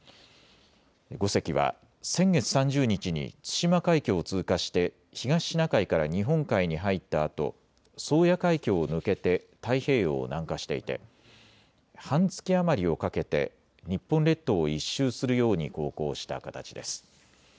５隻は先月３０日に対馬海峡を通過して東シナ海から日本海に入ったあと宗谷海峡を抜けて太平洋を南下していて半月余りをかけて日本列島を１周するように航行した形です。